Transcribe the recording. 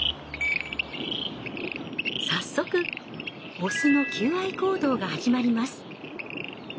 早速オスの求愛行動が始まります。